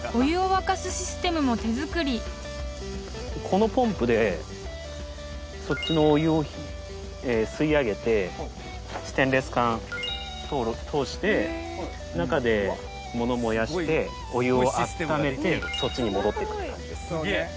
このポンプでそっちのお湯を吸い上げてステンレス管通して中でもの燃やしてお湯をあっためてそっちに戻ってくる感じです。